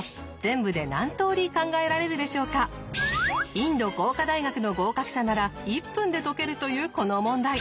インド工科大学の合格者なら１分で解けるというこの問題。